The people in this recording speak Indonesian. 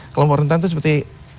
kelompok rentan itu seperti